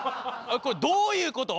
これどういうこと？